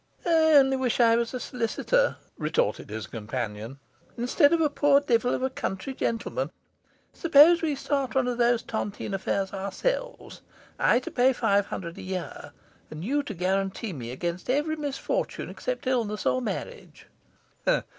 'I only wish I was a solicitor,' retorted his companion, 'instead of a poor devil of a country gentleman. Suppose we start one of those tontine affairs ourselves; I to pay five hundred a year, and you to guarantee me against every misfortune except illness or marriage.